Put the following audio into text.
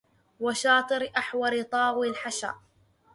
وشاطرِ أحورِ طاوي الحشا